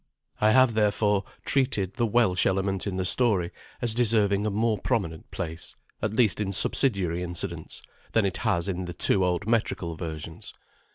I have therefore treated the Welsh element in the story as deserving a more prominent place, at least in subsidiary incidents, than it has in the two old metrical versions.